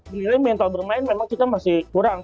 menurut saya mental bermain memang kita masih kurang